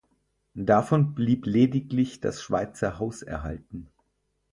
Davon blieb lediglich das Schweizerhaus erhalten.